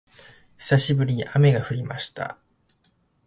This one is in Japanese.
久しぶりに雨が降りました